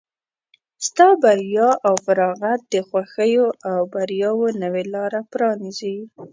ستا بریا او فارغت د خوښیو او بریاوو نوې لاره پرانیزي.